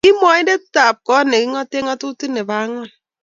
Ki mwoindetab kot ne kingoten ngatutik nebo angwan